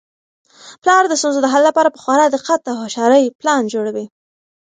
پلار د ستونزو د حل لپاره په خورا دقت او هوښیارۍ پلان جوړوي.